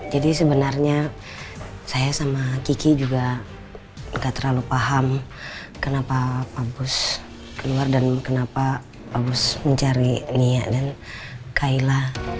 jadi sebenarnya saya sama kiki juga gak terlalu paham kenapa pak bos keluar dan kenapa pak bos mencari nia dan kayla